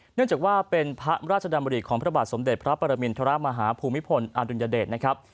เนื่องจากว่าเป็นพระราชดำริของพระบาทสมเด็จพระปรมินทรมาฮาภูมิพลอดุลยเดชนะครับ